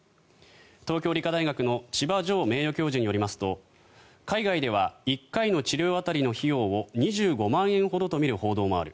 東京理科大学の千葉丈名誉教授によりますと海外では１回の治療当たりの費用を２５万円ほどとみる報道もある。